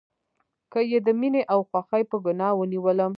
که یې د میینې او خوښۍ په ګناه ونیولم